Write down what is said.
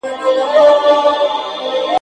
لکه شمع لمبه خورم لمبه مي وخوري !.